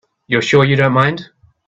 You're sure you don't mind?